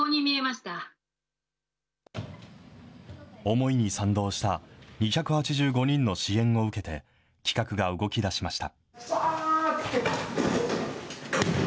思いに賛同した２８５人の支援を受けて、企画が動きだしました。